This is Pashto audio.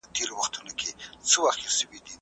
د دورکهایم نظریه غلطه نه ده.